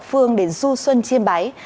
phương đến du xuân chiêm bái